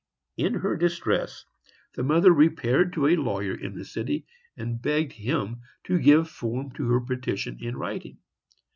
In her distress, the mother repaired to a lawyer in the city, and begged him to give form to her petition in writing.